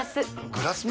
グラスも？